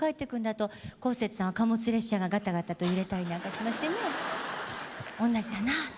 こうせつさんは貨物列車がガタガタと揺れたりなんかしましてねおんなじだなあと。